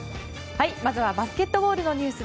まずはバスケットボールのニュース。